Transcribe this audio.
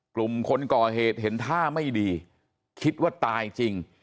กลุ่มคนก่อเหตุเห็นท่าไม่ดีคิดว่าตายจริง